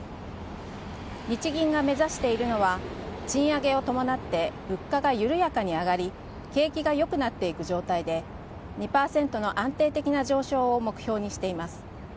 日銀が目指しているのは、賃上げを伴って物価が緩やかに上がり、景気がよくなっていく状態で、２％の安定的な上昇を目標にしています。